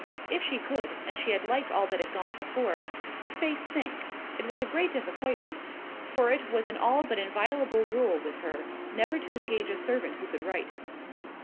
If she could, and she had liked all that had gone before, her face sank—it was a great disappointment, for it was an all but inviolable rule with her never to engage a servant who could write.